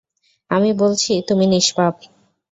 আমি বলছি, তুমি নিষ্পাপ।